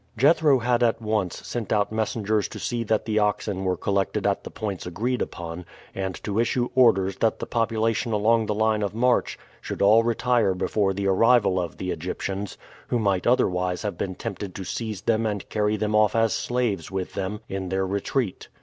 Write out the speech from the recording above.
Jethro had at once sent out messengers to see that the oxen were collected at the points agreed upon, and to issue orders that the population along the line of march should all retire before the arrival of the Egyptians, who might otherwise have been tempted to seize them and carry them off as slaves with them in their retreat.